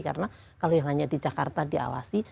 karena kalau yang hanya di jakarta diawasi